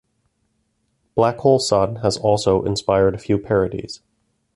"Black Hole Sun" has also inspired a few parodies.